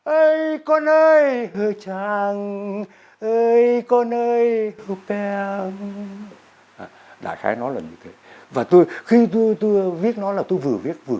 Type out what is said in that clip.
ơi con ơi chàng ơ con ơi bè đoàn khai nói là như thế và tôi khi tôi tôi viết nó là tôi vừa viết vừa